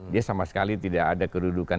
dia sama sekali tidak ada kedudukan